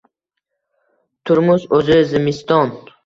Turmush o’zi — zimiston.